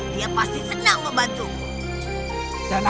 dia pasti senang membantumu